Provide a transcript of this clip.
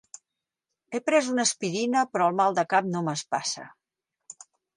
He pres una aspirina, però el mal de cap no m'espassa.